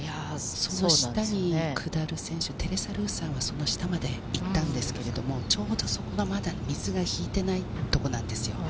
その下に下る選手、テレサ・ルーさんは、その下まで行ったんですけど、ちょうどそこがまだ、水が引いてないところなんですよ。